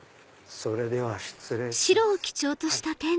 それでは失礼します。